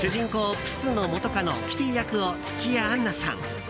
プスの元カノキティ役を土屋アンナさん